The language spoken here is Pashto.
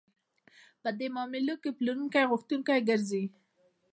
په دې معاملو کې پلورونکی غوښتونکی ګرځي